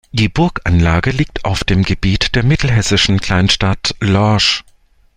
Die Burganlage liegt auf dem Gebiet der mittelhessischen Kleinstadt Lorch.